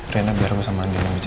rena biar aku sama andi bicara